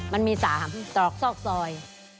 มันมี๓ตรอกซอกซอย